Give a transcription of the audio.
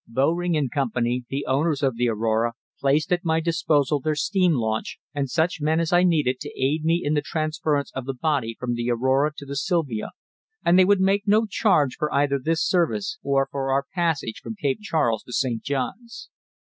Bowring & Company, the owners of the Aurora, placed at my disposal their steam launch and such men as I needed, to aid me in the transference of the body from the Aurora to the Silvia, and they would make no charge for either this service or for our passage from Cape Charles to St. Johns.